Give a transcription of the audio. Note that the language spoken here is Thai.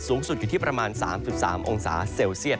สูงสุดอยู่ที่๓๓โอกาสเซล